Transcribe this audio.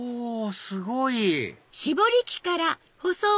すごい！